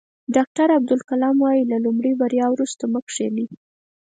ډاکټر عبدالکلام وایي له لومړۍ بریا وروسته مه کینئ.